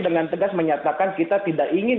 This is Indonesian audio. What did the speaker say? dengan tegas menyatakan kita tidak ingin